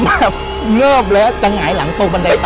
เริ่มเลิฟแล้วจะหงายหลังโตบันไดตา